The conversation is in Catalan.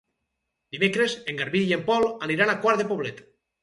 Dimecres en Garbí i en Pol aniran a Quart de Poblet.